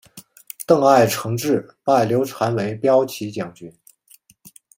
邓艾承制拜刘禅为骠骑将军。